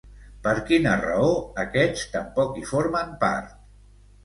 Per quina raó aquests tampoc hi formen part?